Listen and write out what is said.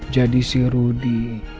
jadi si rudy